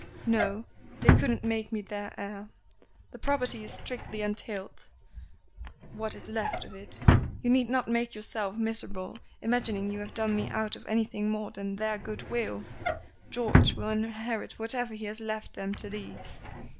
"No. They couldn't make me their heir. The property is strictly entailed (what is left of it); you need not make yourself miserable imagining you have done me out of anything more than their good will. George will inherit whatever he has left them to leave."